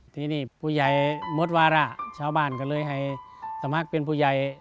ทีนี้ผู้ใหญ่หมดวาระชาวบ้านก็เลยให้สมัครเป็นผู้ใหญ่